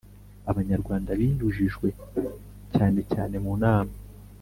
Abanyarwanda binyujijwe cyane cyane mu nama